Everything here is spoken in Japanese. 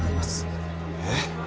えっ！？